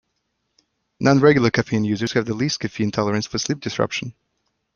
Non-regular caffeine users have the least caffeine tolerance for sleep disruption.